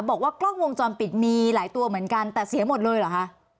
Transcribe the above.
บอกว่ากล้องวงจรปิดมีหลายตัวเหมือนกันแต่เสียหมดเลยเหรอคะ